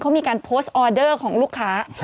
เขามีการโพสต์ออเดอร์ของลูกค้า